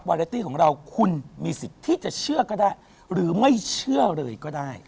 เรตตี้ของเราคุณมีสิทธิ์ที่จะเชื่อก็ได้หรือไม่เชื่อเลยก็ได้